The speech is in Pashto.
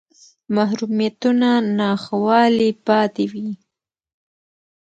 محرومیتونه ناخوالې پاتې وې